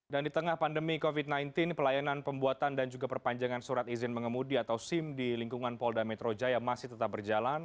dan di tengah pandemi covid sembilan belas pelayanan pembuatan dan juga perpanjangan surat izin mengemudi atau sim di lingkungan polda metro jaya masih tetap berjalan